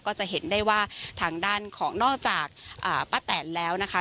ก็จะเห็นได้ว่าทางด้านของนอกจากป้าแตนแล้วนะคะ